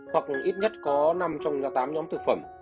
hoặc ít nhất có năm trong tám nhóm thực phẩm